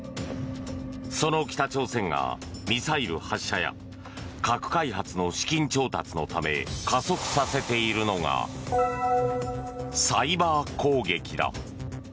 その北朝鮮がミサイル発射や核開発の資金調達のため加速させているのがサイバー攻撃だ。